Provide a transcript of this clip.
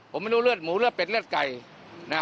ผมไม่รู้เลือดหมูเลือดเป็นเลือดไก่นะ